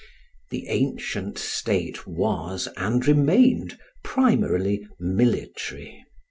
The ancient state was and remained primarily military.